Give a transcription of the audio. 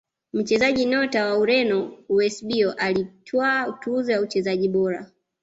mchezaji nyota wa Ureno eusebio alitwaa tuzo ya uchezaji bora